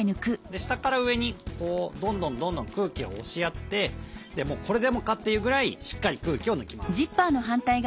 下から上にどんどんどんどん空気を押しやってこれでもかっていうぐらいしっかり空気を抜きます。